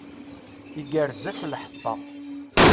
Igerrez-as lḥeṭṭa.